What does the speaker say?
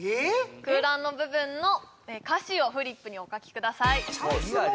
空欄の部分の歌詞をフリップにお書きください